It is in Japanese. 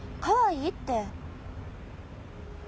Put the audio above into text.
かわいいって。